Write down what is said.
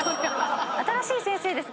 新しい先生です。